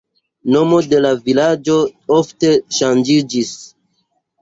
Nomo de la vilaĝo ofte ŝanĝiĝis.